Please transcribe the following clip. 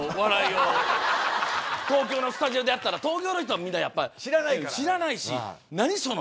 東京のスタジオでやったら東京の人はやっぱ知らないし。